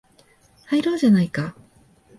入ろうじゃないか